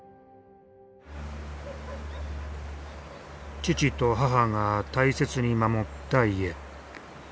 父と母が大切に守った家。